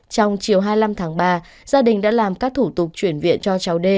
trong chiều hai mươi năm tháng ba gia đình đã làm các thủ tục chuyển viện cho cháu đê